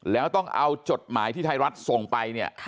แล้วต้องเอาจดหมายที่ไทยรัฐส่งไปเนี่ย